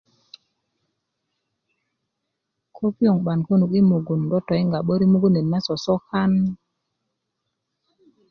ko pioŋ 'ban könuk i mugun do toyiŋga 'börik mugun net na sosokan